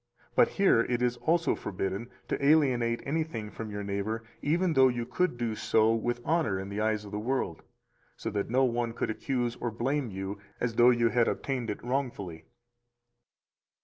But here it is also forbidden to alienate anything from your neighbor, even though you could do so with honor in the eyes of the world, so that no one could accuse or blame you as though you had obtained it wrongfully.